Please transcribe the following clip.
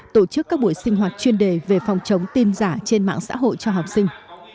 tổ chức các buổi sinh hoạt chuyên đề về phòng chống tin giả trên mạng xã hội cho học sinh